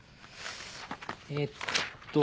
えっと。